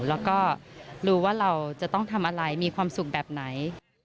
แล้วก็รู้ว่าเราจะต้องทำอะไรมีความสุขแบบไหน